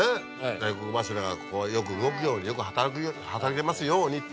大黒柱がここがよく動くようによく働けますようにって。